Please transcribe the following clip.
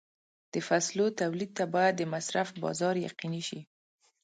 د فصلو تولید ته باید د مصرف بازار یقیني شي.